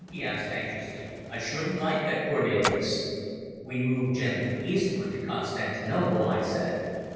he asked anxiously. "I shouldn't like that, Cornelis." "We move gently eastward to Constantinople," I said.